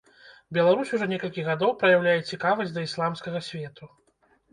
Беларусь ужо некалькі гадоў праяўляе цікавасць да ісламскага свету.